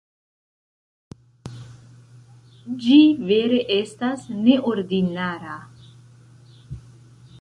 Ĝi vere estas neordinara.